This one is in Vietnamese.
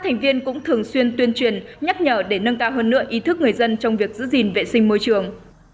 thành viên cũng thường xuyên tuyên truyền nhắc nhở để nâng cao hơn nữa ý thức người dân trong việc giữ gìn vệ sinh môi trường